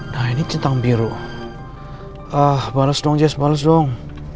nah ini cetang biru ah bales dong jess bales dong